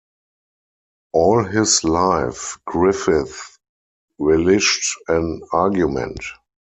All his life, Griffith relished an argument.